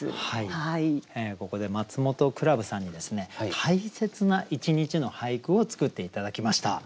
ここでマツモトクラブさんにですね大切な一日の俳句を作って頂きました。